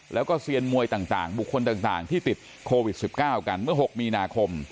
แล้วก็เซียนมวยต่างบุคคลต่างที่ติดโควิด๑๙กันเมื่อ๖มีนาคม